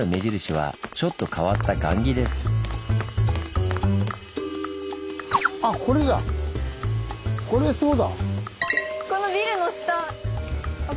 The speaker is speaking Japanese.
はい。